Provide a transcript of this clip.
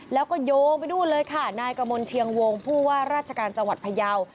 แล้วก็โยงไปนู่นเลยค่ะนายกมลเชียงวงผู้ว่าราชการจังหวัดพยาว